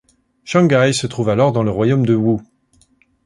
Shanghaï se trouvait alors dans le Royaume de Wu.